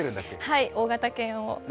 はい、大型犬を。